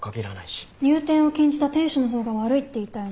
入店を禁じた店主の方が悪いって言いたいの？